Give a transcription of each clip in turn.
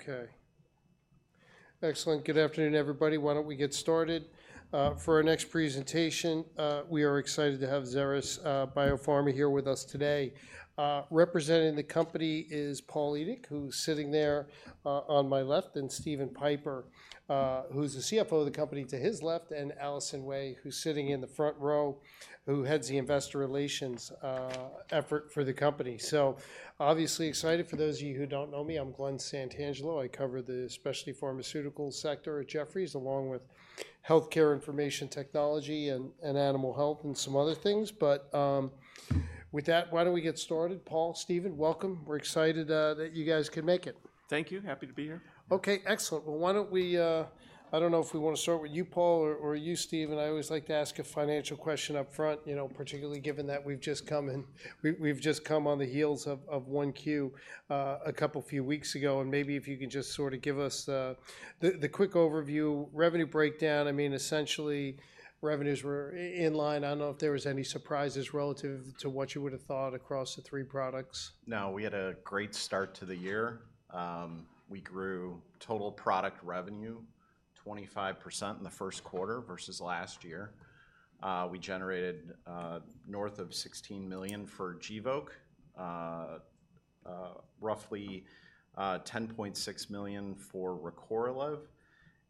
Okay. Excellent. Good afternoon, everybody. Why don't we get started? For our next presentation, we are excited to have Xeris Biopharma here with us today. Representing the company is Paul Edick, who's sitting there on my left, and Steven Pieper, who's the CFO of the company to his left, and Allison Wey, who's sitting in the front row, who heads the investor relations effort for the company. So, obviously excited. For those of you who don't know me, I'm Glen Santangelo. I cover the specialty pharmaceutical sector at Jefferies, along with healthcare information technology and animal health and some other things. But with that, why don't we get started? Paul, Steven, welcome. We're excited that you guys could make it. Thank you. Happy to be here. Okay, excellent. Well, why don't we—I don't know if we want to start with you, Paul, or you, Steven. I always like to ask a financial question upfront, particularly given that we've just come in; we've just come on the heels of 1Q a couple of few weeks ago. And maybe if you can just sort of give us the quick overview, revenue breakdown. I mean, essentially, revenues were in line. I don't know if there were any surprises relative to what you would have thought across the three products. No, we had a great start to the year. We grew total product revenue 25% in the first quarter versus last year. We generated north of $16 million for Gvoke, roughly $10.6 million for Recorlev,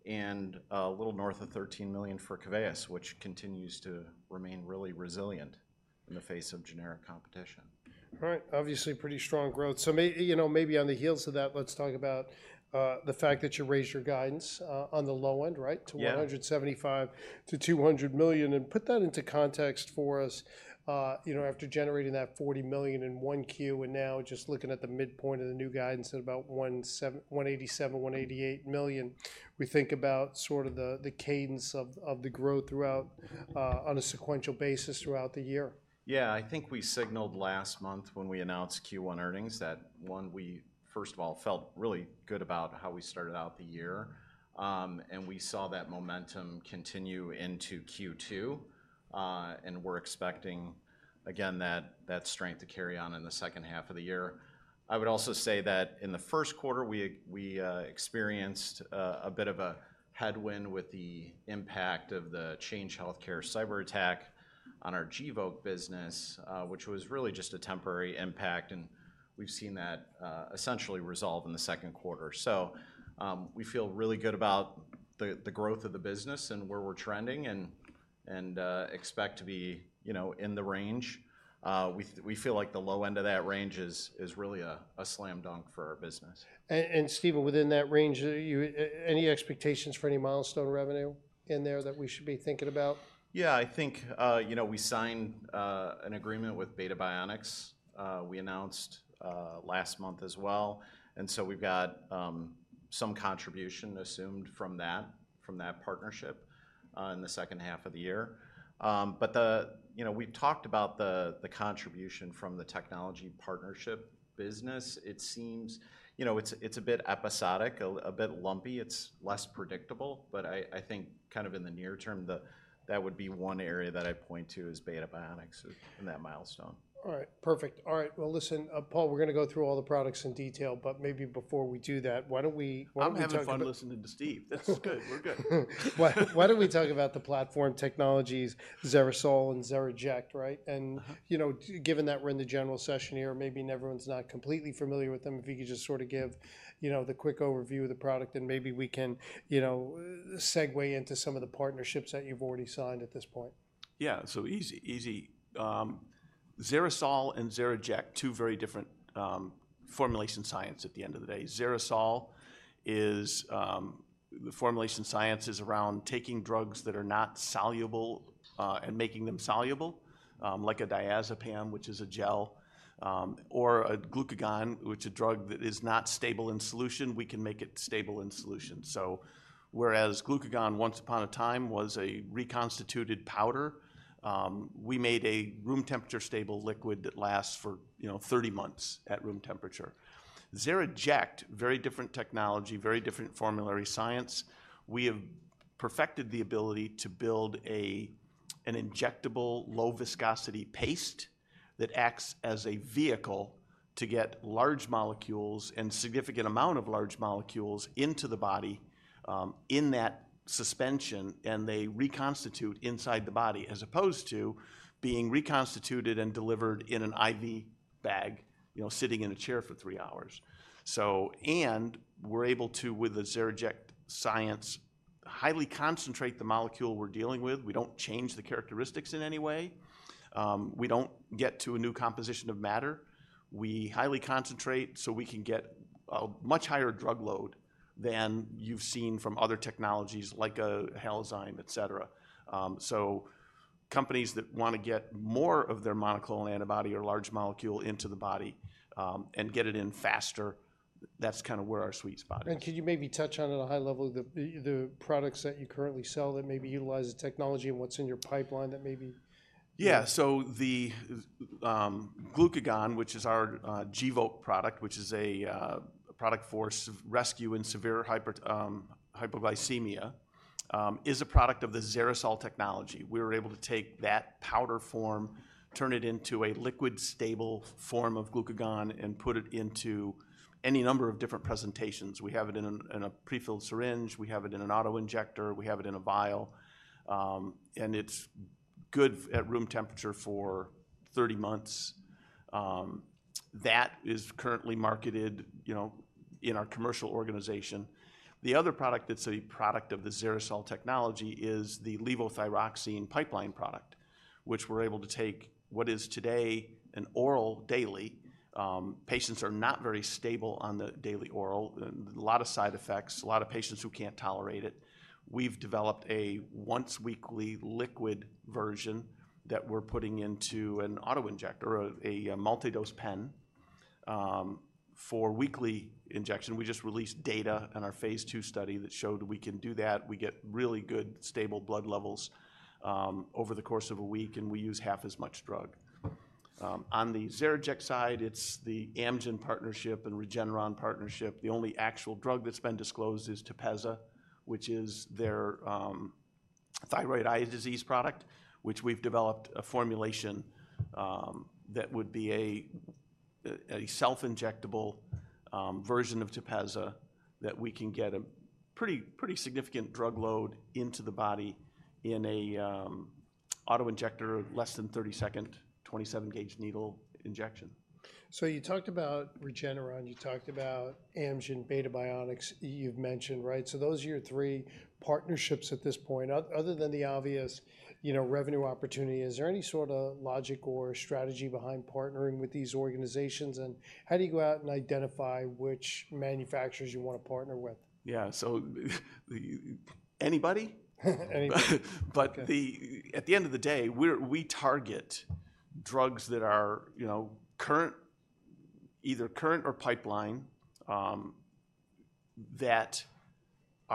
and a little north of $13 million for Keveyis, which continues to remain really resilient in the face of generic competition. All right. Obviously, pretty strong growth. So maybe on the heels of that, let's talk about the fact that you raised your guidance on the low end, right, to $175 million-$200 million. And put that into context for us. After generating that $40 million in 1Q, and now just looking at the midpoint of the new guidance at about $187million-$188 million, we think about sort of the cadence of the growth throughout on a sequential basis throughout the year. Yeah, I think we signaled last month when we announced Q1 earnings that, one, we first of all felt really good about how we started out the year. And we saw that momentum continue into Q2. And we're expecting, again, that strength to carry on in the second half of the year. I would also say that in the first quarter, we experienced a bit of a headwind with the impact of the Change Healthcare cyber attack on our Gvoke business, which was really just a temporary impact. And we've seen that essentially resolve in the second quarter. So we feel really good about the growth of the business and where we're trending and expect to be in the range. We feel like the low end of that range is really a slam dunk for our business. Steven, within that range, any expectations for any milestone revenue in there that we should be thinking about? Yeah, I think we signed an agreement with Beta Bionics. We announced last month as well. And so we've got some contribution assumed from that partnership in the second half of the year. But we've talked about the contribution from the technology partnership business. It seems it's a bit episodic, a bit lumpy. It's less predictable. But I think kind of in the near term, that would be one area that I point to is Beta Bionics in that milestone. All right, perfect. All right, well, listen, Paul, we're going to go through all the products in detail. But maybe before we do that, why don't we— I'm having fun listening to Steve. That's good. We're good. Why don't we talk about the platform technologies, XeriSol and XeriJect, right? And given that we're in the general session here, maybe everyone's not completely familiar with them. If you could just sort of give the quick overview of the product, and maybe we can segue into some of the partnerships that you've already signed at this point. Yeah, so easy, easy. XeriSol and XeriJect, two very different formulation sciences at the end of the day. XeriSol is the formulation science is around taking drugs that are not soluble and making them soluble, like a diazepam, which is a gel, or a glucagon, which is a drug that is not stable in solution. We can make it stable in solution. So whereas glucagon, once upon a time, was a reconstituted powder, we made a room temperature stable liquid that lasts for 30 months at room temperature. XeriJect, very different technology, very different formulation science. We have perfected the ability to build an injectable low viscosity paste that acts as a vehicle to get large molecules and a significant amount of large molecules into the body in that suspension. They reconstitute inside the body as opposed to being reconstituted and delivered in an IV bag, sitting in a chair for three hours. We're able to, with the XeriJect science, highly concentrate the molecule we're dealing with. We don't change the characteristics in any way. We don't get to a new composition of matter. We highly concentrate so we can get a much higher drug load than you've seen from other technologies like a Halozyme, et cetera. Companies that want to get more of their monoclonal antibody or large molecule into the body and get it in faster, that's kind of where our sweet spot is. Can you maybe touch on at a high level the products that you currently sell that maybe utilize the technology and what's in your pipeline that maybe? Yeah, so the glucagon, which is our Gvoke product, which is a product for rescue in severe hypoglycemia, is a product of the XeriSol technology. We were able to take that powder form, turn it into a liquid stable form of glucagon, and put it into any number of different presentations. We have it in a prefilled syringe. We have it in an auto injector. We have it in a vial. And it's good at room temperature for 30 months. That is currently marketed in our commercial organization. The other product that's a product of the XeriSol technology is the levothyroxine pipeline product, which we're able to take what is today an oral daily. Patients are not very stable on the daily oral. A lot of side effects, a lot of patients who can't tolerate it. We've developed a once weekly liquid version that we're putting into an auto injector, a multi-dose pen for weekly injection. We just released data in our phase II study that showed we can do that. We get really good stable blood levels over the course of a week, and we use half as much drug. On the XeriJect side, it's the Amgen partnership and Regeneron partnership. The only actual drug that's been disclosed is Tepezza, which is their thyroid eye disease product, which we've developed a formulation that would be a self-injectable version of Tepezza that we can get a pretty significant drug load into the body in an auto injector, less than 30-second, 27-gauge needle injection. So you talked about Regeneron. You talked about Amgen, Beta Bionics, you've mentioned, right? So those are your three partnerships at this point. Other than the obvious revenue opportunity, is there any sort of logic or strategy behind partnering with these organizations? And how do you go out and identify which manufacturers you want to partner with? Yeah, so anybody? Anybody. At the end of the day, we target drugs that are either current or pipeline that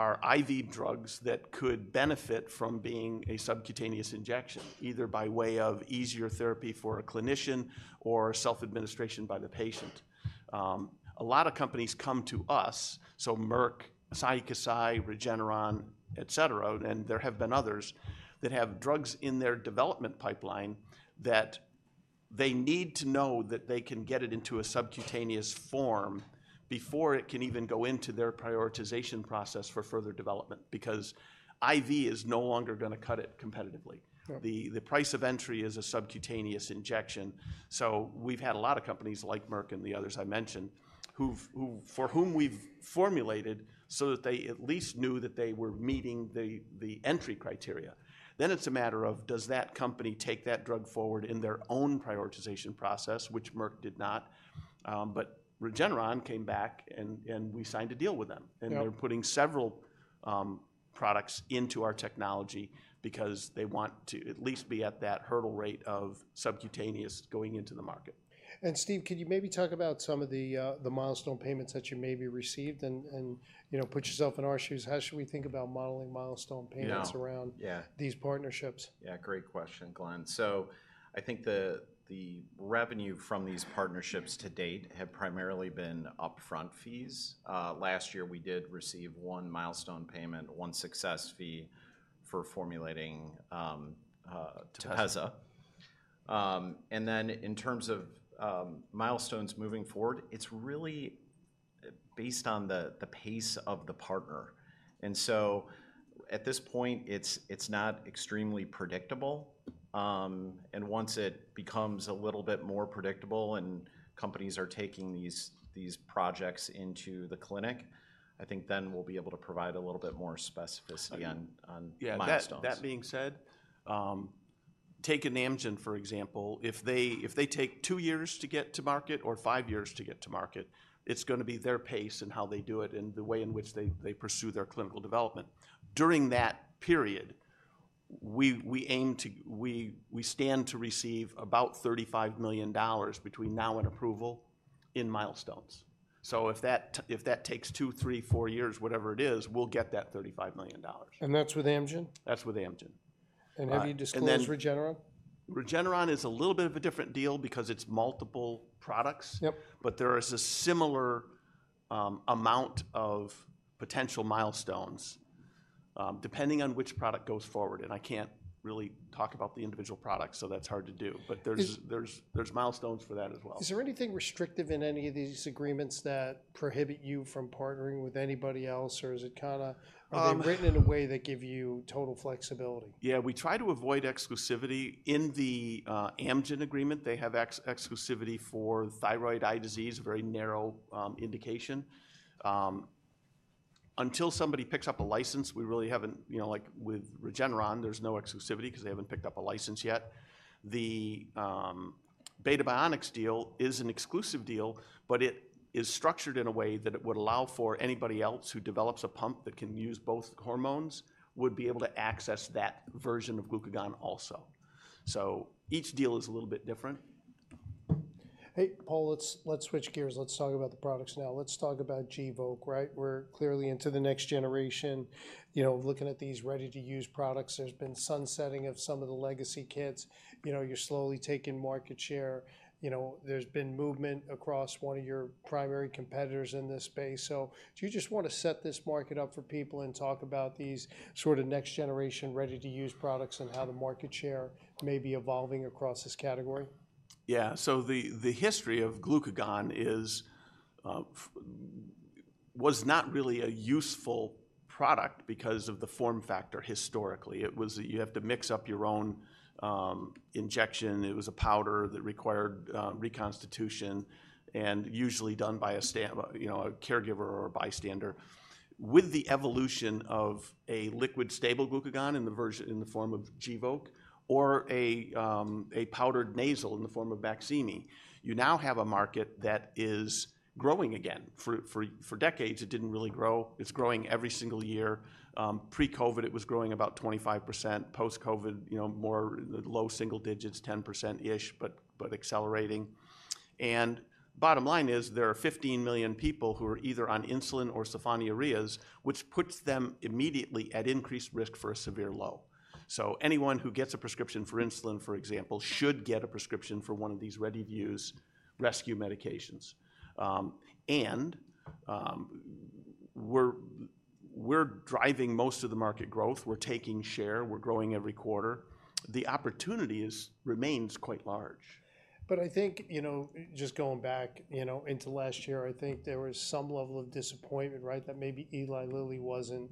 are IV drugs that could benefit from being a subcutaneous injection, either by way of easier therapy for a clinician or self-administration by the patient. A lot of companies come to us, so Merck, Cytokinetics, Regeneron, et cetera. There have been others that have drugs in their development pipeline that they need to know that they can get it into a subcutaneous form before it can even go into their prioritization process for further development, because IV is no longer going to cut it competitively. The price of entry is a subcutaneous injection. We've had a lot of companies like Merck and the others I mentioned for whom we've formulated so that they at least knew that they were meeting the entry criteria. Then it's a matter of does that company take that drug forward in their own prioritization process, which Merck did not. But Regeneron came back, and we signed a deal with them. And they're putting several products into our technology because they want to at least be at that hurdle rate of subcutaneous going into the market. Steve, can you maybe talk about some of the milestone payments that you maybe received and put yourself in our shoes? How should we think about modeling milestone payments around these partnerships? Yeah, great question, Glen. So I think the revenue from these partnerships to date have primarily been upfront fees. Last year, we did receive one milestone payment, one success fee for formulating Tepezza. And then in terms of milestones moving forward, it's really based on the pace of the partner. And so at this point, it's not extremely predictable. And once it becomes a little bit more predictable and companies are taking these projects into the clinic, I think then we'll be able to provide a little bit more specificity on milestones. That being said, take an Amgen, for example. If they take two years to get to market or five years to get to market, it's going to be their pace and how they do it and the way in which they pursue their clinical development. During that period, we stand to receive about $35 million between now and approval in milestones. So if that takes two, three, four years, whatever it is, we'll get that $35 million. That's with Amgen? That's with Amgen. Have you disclosed Regeneron? Regeneron is a little bit of a different deal because it's multiple products. But there is a similar amount of potential milestones depending on which product goes forward. And I can't really talk about the individual products, so that's hard to do. But there's milestones for that as well. Is there anything restrictive in any of these agreements that prohibit you from partnering with anybody else? Or is it kind of written in a way that gives you total flexibility? Yeah, we try to avoid exclusivity. In the Amgen agreement, they have exclusivity for thyroid eye disease, a very narrow indication. Until somebody picks up a license, we really haven't, like with Regeneron, there's no exclusivity because they haven't picked up a license yet. The Beta Bionics deal is an exclusive deal, but it is structured in a way that it would allow for anybody else who develops a pump that can use both hormones would be able to access that version of glucagon also. So each deal is a little bit different. Hey, Paul, let's switch gears. Let's talk about the products now. Let's talk about Gvoke, right? We're clearly into the next generation. Looking at these ready-to-use products, there's been sunsetting of some of the legacy kits. You're slowly taking market share. There's been movement across one of your primary competitors in this space. So do you just want to set this market up for people and talk about these sort of next generation ready-to-use products and how the market share may be evolving across this category? Yeah, so the history of glucagon was not really a useful product because of the form factor historically. It was that you have to mix up your own injection. It was a powder that required reconstitution and usually done by a caregiver or a bystander. With the evolution of a liquid stable glucagon in the form of Gvoke or a powdered nasal in the form of Baqsimi, you now have a market that is growing again. For decades, it didn't really grow. It's growing every single year. Pre-COVID, it was growing about 25%. Post-COVID, more low single digits, 10%-ish, but accelerating. And bottom line is there are 15 million people who are either on insulin or sulfonylureas, which puts them immediately at increased risk for a severe low. So anyone who gets a prescription for insulin, for example, should get a prescription for one of these ready-to-use rescue medications. We're driving most of the market growth. We're taking share. We're growing every quarter. The opportunity remains quite large. But I think just going back into last year, I think there was some level of disappointment, right, that maybe Eli Lilly wasn't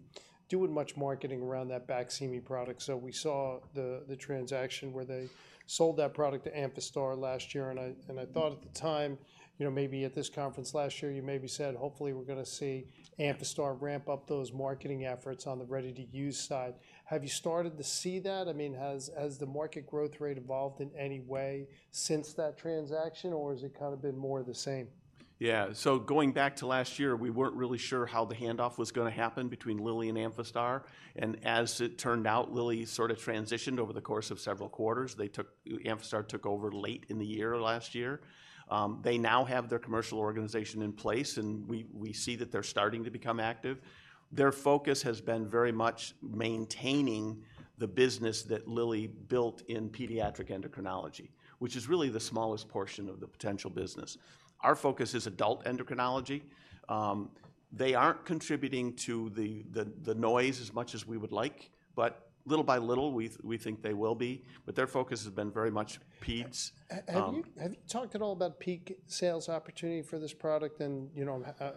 doing much marketing around that Baqsimi product. So we saw the transaction where they sold that product to Amphastar last year. And I thought at the time, maybe at this conference last year, you maybe said, hopefully, we're going to see Amphastar ramp up those marketing efforts on the ready-to-use side. Have you started to see that? I mean, has the market growth rate evolved in any way since that transaction? Or has it kind of been more the same? Yeah, so going back to last year, we weren't really sure how the handoff was going to happen between Lilly and Amphastar. And as it turned out, Lilly sort of transitioned over the course of several quarters. Amphastar took over late in the year last year. They now have their commercial organization in place, and we see that they're starting to become active. Their focus has been very much maintaining the business that Lilly built in pediatric endocrinology, which is really the smallest portion of the potential business. Our focus is adult endocrinology. They aren't contributing to the noise as much as we would like, but little by little, we think they will be. But their focus has been very much peds. Have you talked at all about peak sales opportunity for this product? I'm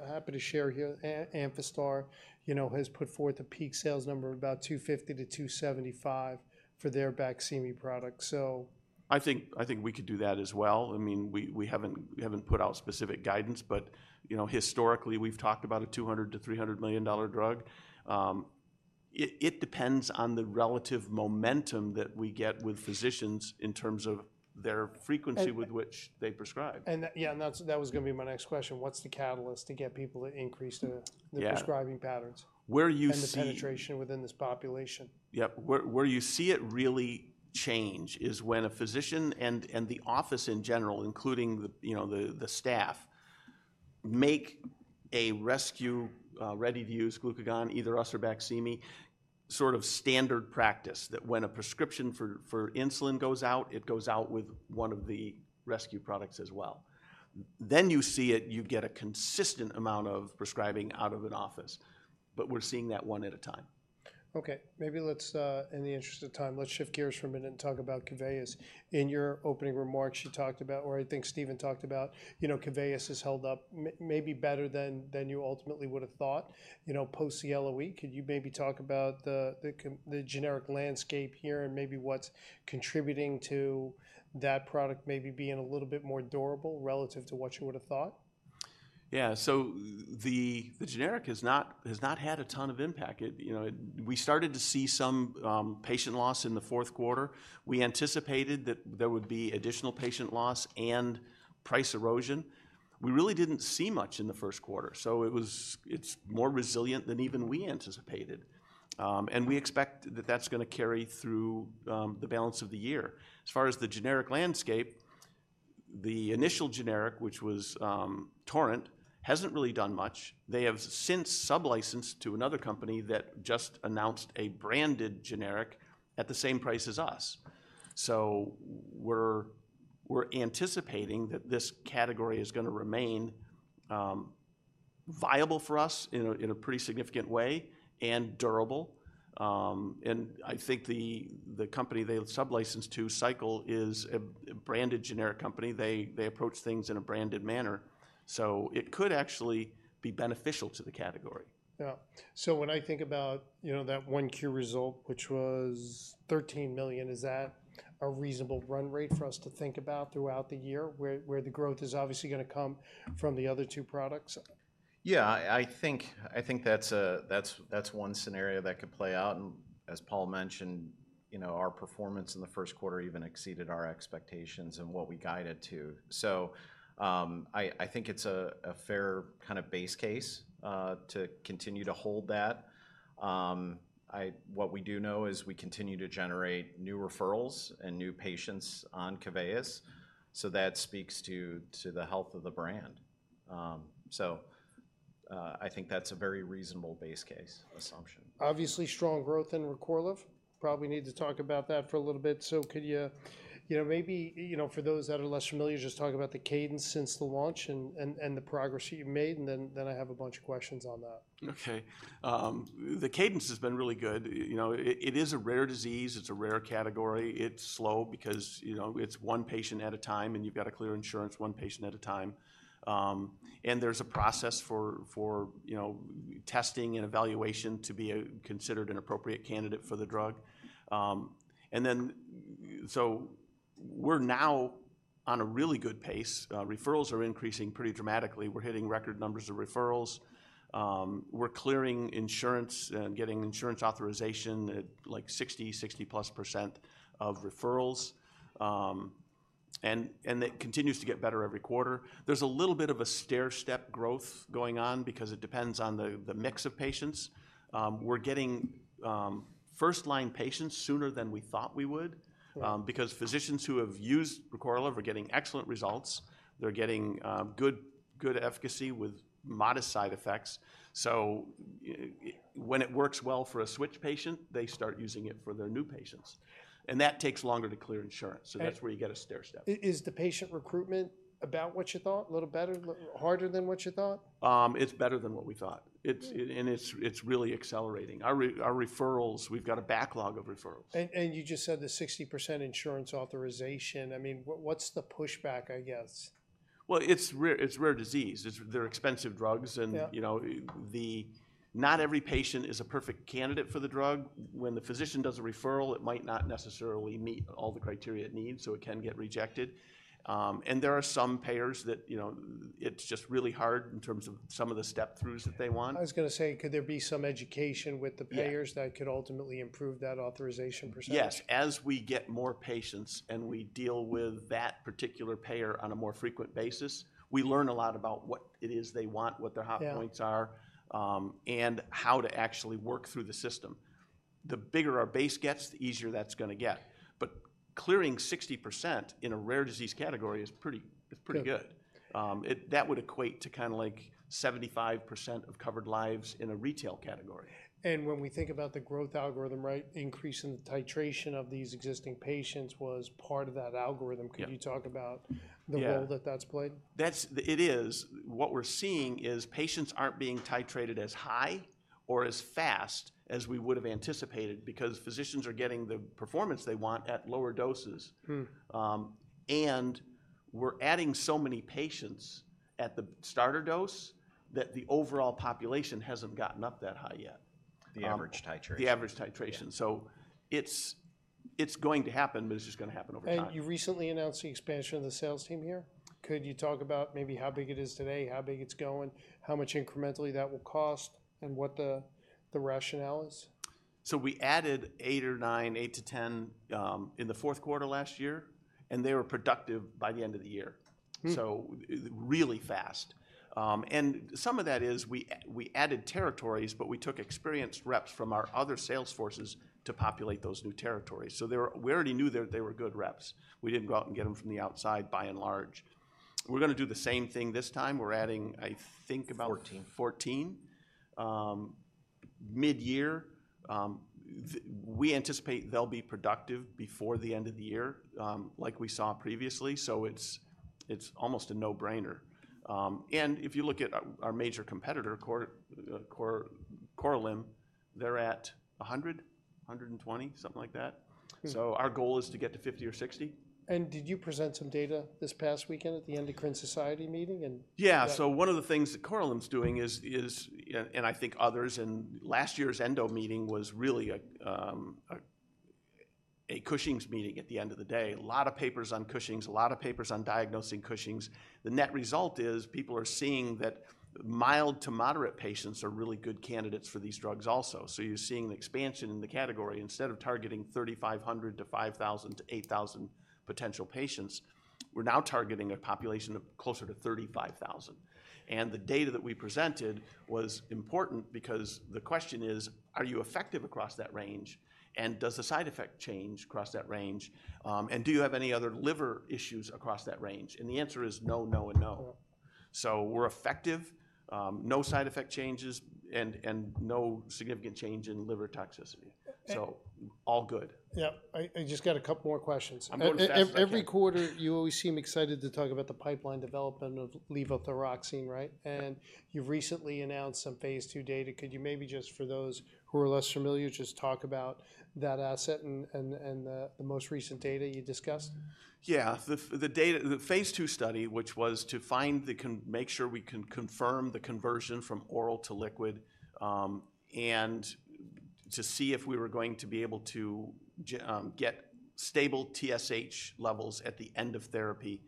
happy to share here, Amphastar has put forth a peak sales number of about $250 million-$275 million for their Baqsimi product. So. I think we could do that as well. I mean, we haven't put out specific guidance, but historically, we've talked about a $200-$300 million drug. It depends on the relative momentum that we get with physicians in terms of their frequency with which they prescribe. Yeah, that was going to be my next question. What's the catalyst to get people to increase the prescribing patterns? Where you see. The penetration within this population. Yep, where you see it really change is when a physician and the office in general, including the staff, make a rescue ready-to-use glucagon, either us or Baqsimi, sort of standard practice that when a prescription for insulin goes out, it goes out with one of the rescue products as well. Then you see it, you get a consistent amount of prescribing out of an office. But we're seeing that one at a time. Okay, maybe let's, in the interest of time, let's shift gears for a minute and talk about Keveyis. In your opening remarks, you talked about, or I think Steve talked about, Keveyis has held up maybe better than you ultimately would have thought. Post-LOE, could you maybe talk about the generic landscape here and maybe what's contributing to that product maybe being a little bit more durable relative to what you would have thought? Yeah, so the generic has not had a ton of impact. We started to see some patient loss in the fourth quarter. We anticipated that there would be additional patient loss and price erosion. We really didn't see much in the first quarter. So it's more resilient than even we anticipated. And we expect that that's going to carry through the balance of the year. As far as the generic landscape, the initial generic, which was Torrent, hasn't really done much. They have since sublicensed to another company that just announced a branded generic at the same price as us. So we're anticipating that this category is going to remain viable for us in a pretty significant way and durable. And I think the company they sublicensed to Cycle is a branded generic company. They approach things in a branded manner. So it could actually be beneficial to the category. Yeah, so when I think about that 1Q result, which was $13 million, is that a reasonable run rate for us to think about throughout the year where the growth is obviously going to come from the other two products? Yeah, I think that's one scenario that could play out. And as Paul mentioned, our performance in the first quarter even exceeded our expectations and what we guided to. So I think it's a fair kind of base case to continue to hold that. What we do know is we continue to generate new referrals and new patients on Keveyis. So that speaks to the health of the brand. So I think that's a very reasonable base case assumption. Obviously, strong growth in Recorlev. Probably need to talk about that for a little bit. So could you maybe, for those that are less familiar, just talk about the cadence since the launch and the progress that you've made, and then I have a bunch of questions on that. Okay, the cadence has been really good. It is a rare disease. It's a rare category. It's slow because it's one patient at a time, and you've got to clear insurance one patient at a time. And there's a process for testing and evaluation to be considered an appropriate candidate for the drug. And then so we're now on a really good pace. Referrals are increasing pretty dramatically. We're hitting record numbers of referrals. We're clearing insurance and getting insurance authorization at like 60%-60%+ of referrals. And it continues to get better every quarter. There's a little bit of a stair step growth going on because it depends on the mix of patients. We're getting first-line patients sooner than we thought we would because physicians who have used Recorlev are getting excellent results. They're getting good efficacy with modest side effects. So when it works well for a switch patient, they start using it for their new patients. And that takes longer to clear insurance. So that's where you get a stair step. Is the patient recruitment about what you thought, a little better, harder than what you thought? It's better than what we thought. It's really accelerating. Our referrals, we've got a backlog of referrals. You just said the 60% insurance authorization. I mean, what's the pushback, I guess? Well, it's rare disease. They're expensive drugs. And not every patient is a perfect candidate for the drug. When the physician does a referral, it might not necessarily meet all the criteria it needs, so it can get rejected. And there are some payers that it's just really hard in terms of some of the step-throughs that they want. I was going to say, could there be some education with the payers that could ultimately improve that authorization percentage? Yes, as we get more patients and we deal with that particular payer on a more frequent basis, we learn a lot about what it is they want, what their hot points are, and how to actually work through the system. The bigger our base gets, the easier that's going to get. But clearing 60% in a rare disease category is pretty good. That would equate to kind of like 75% of covered lives in a retail category. When we think about the growth algorithm, right, increasing the titration of these existing patients was part of that algorithm. Could you talk about the role that that's played? It is. What we're seeing is patients aren't being titrated as high or as fast as we would have anticipated because physicians are getting the performance they want at lower doses. And we're adding so many patients at the starter dose that the overall population hasn't gotten up that high yet. The average titration. The average titration. So it's going to happen, but it's just going to happen over time. You recently announced the expansion of the sales team here. Could you talk about maybe how big it is today, how big it's going, how much incrementally that will cost, and what the rationale is? So we added eight or nine, eight-10 in the fourth quarter last year, and they were productive by the end of the year. So really fast. And some of that is we added territories, but we took experienced reps from our other sales forces to populate those new territories. So we already knew they were good reps. We didn't go out and get them from the outside by and large. We're going to do the same thing this time. We're adding, I think, about. 14. 14. Mid-year. We anticipate they'll be productive before the end of the year like we saw previously. So it's almost a no-brainer. And if you look at our major competitor, Korlym, they're at 100, 120, something like that. So our goal is to get to 50 or 60. Did you present some data this past weekend at the Endocrine Society meeting? Yeah, so one of the things that Korlym is doing is, and I think others, and last year's Endo meeting was really a Cushing's meeting at the end of the day. A lot of papers on Cushing's, a lot of papers on diagnosing Cushing's. The net result is people are seeing that mild to moderate patients are really good candidates for these drugs also. So you're seeing the expansion in the category. Instead of targeting 3,500-5,000-8,000 potential patients, we're now targeting a population of closer to 35,000. And the data that we presented was important because the question is, are you effective across that range? And does the side effect change across that range? And do you have any other liver issues across that range? And the answer is no, no, and no. We're effective, no side effect changes, and no significant change in liver toxicity. So all good. Yeah, I just got a couple more questions. Every quarter, you always seem excited to talk about the pipeline development of levothyroxine, right? You've recently announced some phase II data. Could you maybe just, for those who are less familiar, just talk about that asset and the most recent data you discussed? Yeah, the phase II study, which was to find to make sure we can confirm the conversion from oral to liquid and to see if we were going to be able to get stable TSH levels at the end of therapy.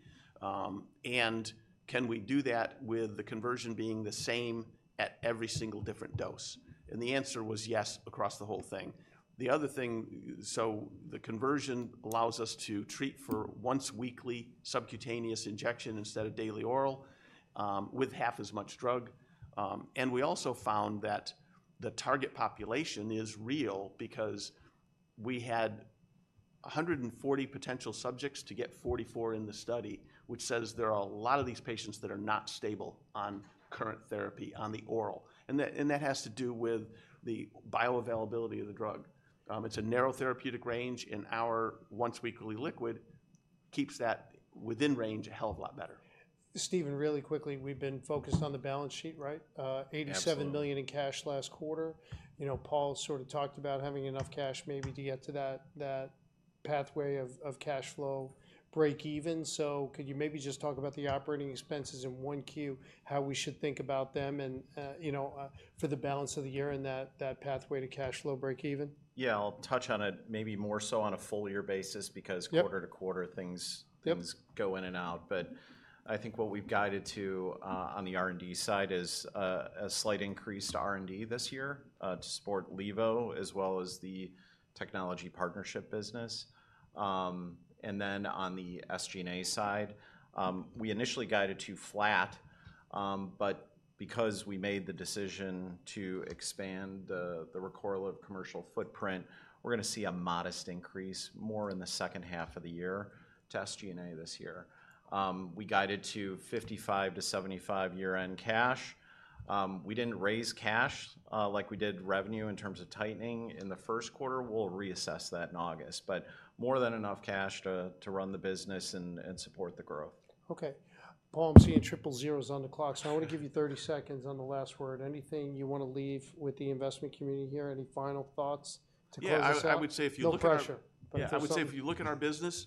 And can we do that with the conversion being the same at every single different dose? And the answer was yes across the whole thing. The other thing, so the conversion allows us to treat for once weekly subcutaneous injection instead of daily oral with half as much drug. And we also found that the target population is real because we had 140 potential subjects to get 44 in the study, which says there are a lot of these patients that are not stable on current therapy on the oral. And that has to do with the bioavailability of the drug. It's a narrow therapeutic range, and our once weekly liquid keeps that within range a hell of a lot better. Steven, really quickly, we've been focused on the balance sheet, right? Yes. $87 million in cash last quarter. Paul sort of talked about having enough cash maybe to get to that pathway of cash flow break-even. So could you maybe just talk about the operating expenses in 1Q, how we should think about them for the balance of the year and that pathway to cash flow break-even? Yeah, I'll touch on it maybe more so on a full-year basis because quarter-to-quarter things go in and out. But I think what we've guided to on the R&D side is a slight increase to R&D this year to support Levo as well as the technology partnership business. And then on the SG&A side, we initially guided to flat, but because we made the decision to expand the Recorlev commercial footprint, we're going to see a modest increase more in the second half of the year to SG&A this year. We guided to $55-$75 year-end cash. We didn't raise cash like we did revenue in terms of tightening in the first quarter. We'll reassess that in August, but more than enough cash to run the business and support the growth. Okay, Paul, I'm seeing triple zeros on the clock. So I want to give you 30 seconds on the last word. Anything you want to leave with the investment community here? Any final thoughts to close us out? I would say if you look at. No pressure. I would say if you look at our business.